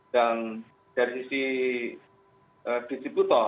dan dari si distributor